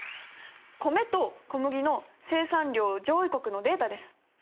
米と小麦の生産量上位国のデータです。